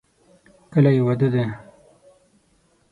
کله یې واده دی؟